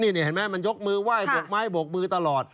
นี่เห็นไหมมันยกมือไหว้บกไม้บกมือตลอด